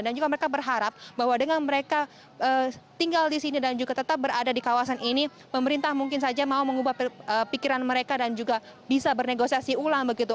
dan juga mereka berharap bahwa dengan mereka tinggal di sini dan juga tetap berada di kawasan ini pemerintah mungkin saja mau mengubah pikiran mereka dan juga bisa bernegosiasi ulang begitu